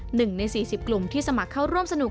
หนึ่งในสี่สิบกลุ่มที่สมัครเข้าร่วมสนุก